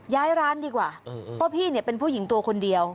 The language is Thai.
ย้ายร้านดีกว่าเพราะพี่เนี่ยเป็นผู้หญิงตัวคนเดียว